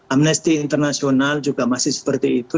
amnesty international juga masih seperti itu